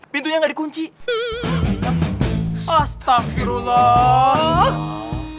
pintunya dikunci astaghfirullah